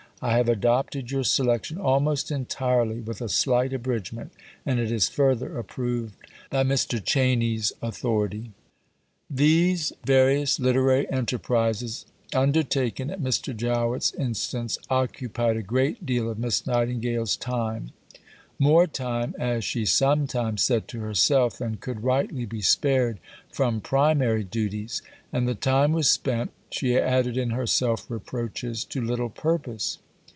I have adopted your selection almost entirely, with a slight abridgement, and it is further approved by Mr. Cheyne's authority." These various literary enterprises, undertaken at Mr. Jowett's instance, occupied a great deal of Miss Nightingale's time more time, as she sometimes said to herself, than could rightly be spared from primary duties; and the time was spent, she added in her self reproaches, to little purpose.